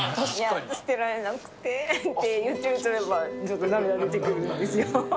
いや、捨てられなくてって言ってると、ちょっと涙出てくるんですよ。